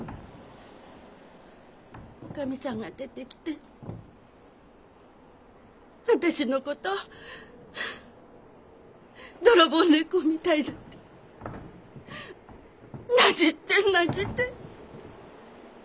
内儀さんが出てきて私の事「泥棒猫みたいだ」ってなじってなじって。